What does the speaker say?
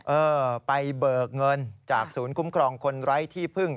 เออไปเบิกเงินจากศูนย์คุ้มครองคนไร้ที่พึ่ง